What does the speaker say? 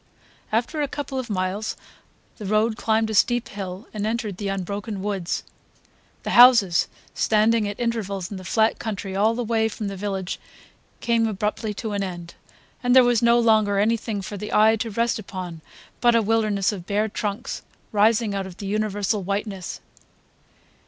After a couple of miles the road climbed a steep hill and entered the unbroken woods. The houses standing at intervals in the flat country all the way from the village came abruptly to an end, and there was no longer anything for the eye to rest upon but a wilderness of bare trunks rising out of the universal whiteness.